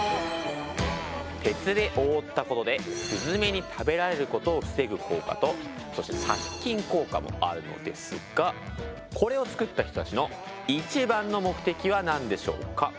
鉄で覆ったことでスズメに食べられることを防ぐ効果とそして殺菌効果もあるのですがこれを作った人たちの一番の目的は何でしょうか。